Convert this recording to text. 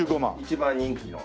一番人気の。